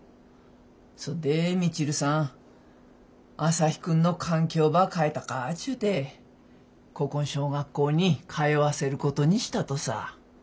そっで美知留さん朝陽君の環境ば変えたかっちゅうてここん小学校に通わせることにしたとさ。